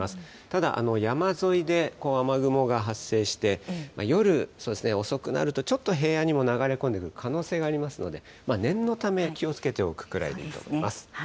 ただ、山沿いで雨雲が発生して、夜、遅くなるとちょっと平野にも流れ込んでくる可能性がありますので、念のため気をつけておくくらいでいいと思います。